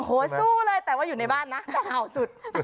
โอ้โฮสู้เลยแต่ว่าอยู่ในบ้านนะจะห่าวสุด